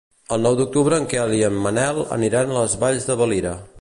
El nou d'octubre en Quel i en Manel aniran a les Valls de Valira.